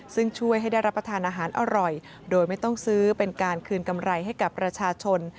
ซึ่งช่วยให้ได้รับประทานอาหารอร่อยโดยไม่ต้องซื้อเป็นการคืนกำไรให้กับประชาชน